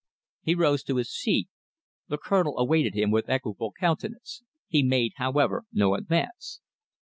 He rose to his feet. The Colonel awaited him with equable countenance. He made, however, no advance.